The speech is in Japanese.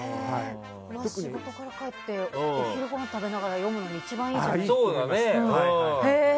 仕事から帰ってお昼ごはんを食べながら読むのに一番いいですね。